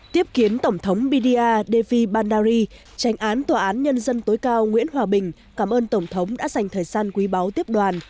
tiếp kiến tổng thống bda devi bandari tránh án tòa án nhân dân tối cao nguyễn hòa bình cảm ơn tổng thống đã dành thời gian quý báo tiếp đoàn